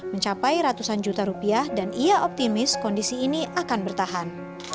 mencapai ratusan juta rupiah dan ia optimis kondisi ini akan bertahan